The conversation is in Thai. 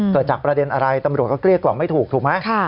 เกิดจากประเด็นอะไรตำรวจก็เกลี้ยกล่อมไม่ถูกถูกไหม